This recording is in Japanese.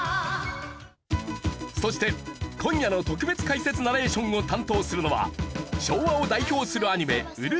そして今夜の特別解説ナレーションを担当するのは昭和を代表するアニメ『うる星やつら』